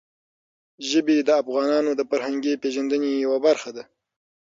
ژبې د افغانانو د فرهنګي پیژندنې یوه برخه ده.